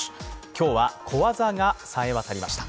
今日は小技がさえ渡りました。